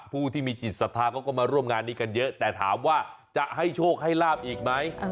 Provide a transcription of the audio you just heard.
ผู้ที่มีจิตศรัทธาเขาก็มาร่วมงานนี้กันเยอะแต่ถามว่าจะให้โชคให้ลาบอีกไหม